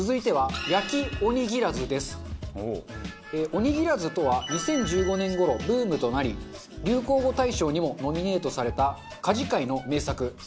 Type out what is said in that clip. おにぎらずとは２０１５年頃ブームとなり流行語大賞にもノミネートされた家事界の名作。